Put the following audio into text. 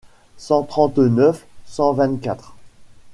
cent trente-neuf cent vingt-quatre.